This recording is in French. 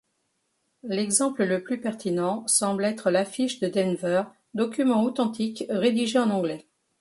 L’exemple le plus pertinent semble être l’affiche de Denver, document authentique, rédigé en anglais.